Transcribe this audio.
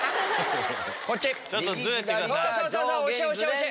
ちょっとズレてください。